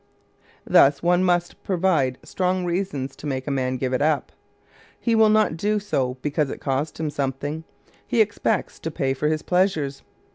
Thus one must provide strong reasons to make a man give it up. He will not do so because it costs him something; he expects to pay for his pleasures.